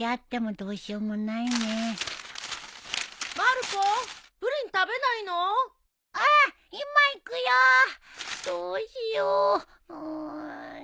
どうしようん。